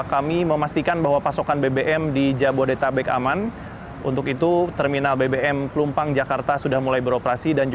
kegiatan operasional di terminal bbm plumpang ini sudah mulai beroperasi kembali